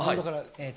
えっと。